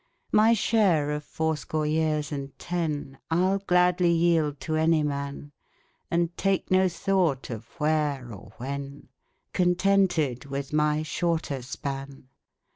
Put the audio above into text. My share of fourscore years and ten I'll gladly yield to any man, And take no thought of " where " or " when," Contented with my shorter span.